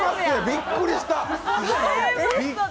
びっくりした！